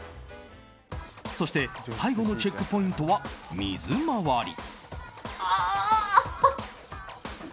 そして最後のチェックポイントは水回り。